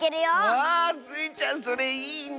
わあスイちゃんそれいいね！